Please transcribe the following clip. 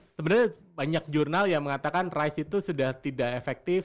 sebenarnya banyak jurnal yang mengatakan rice itu sudah tidak efektif